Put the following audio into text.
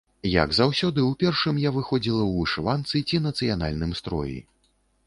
Як заўсёды, у першым я выходзіла ў вышыванцы ці нацыянальным строі.